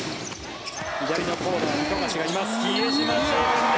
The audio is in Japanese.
左のコーナーに富樫がいます。